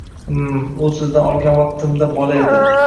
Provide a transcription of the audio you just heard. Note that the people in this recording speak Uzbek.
Him… U sizdan olgan vaqtimda bola edi.